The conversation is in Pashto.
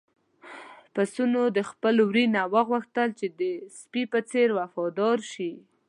پسونو د خپل وري نه وغوښتل چې د سپي په څېر وفادار شي.